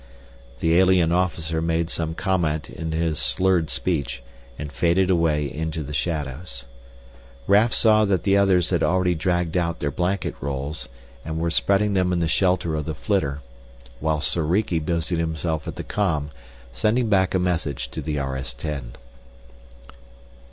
The alien officer made some comment in his slurred speech and faded away into the shadows. Raf saw that the others had already dragged out their blanket rolls and were spreading them in the shelter of the flitter while Soriki busied himself at the com, sending back a message to the RS 10.